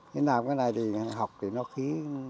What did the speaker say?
nhưng làm cái này thì học thì nó khí